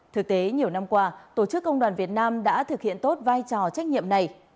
thực tế nhiều năm qua tổ chức công đoàn việt nam đã thực hiện tốt vai trò trách nhiệm này